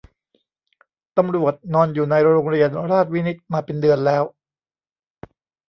ตำรวจนอนอยู่ในโรงเรียนราชวินิตมาเป็นเดือนแล้ว